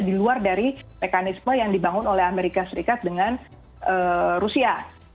di luar dari mekanisme yang dibangun oleh amerika serikat dengan rusia